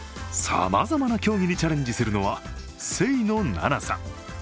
さまざまな競技にチャレンジするのは清野菜名さん。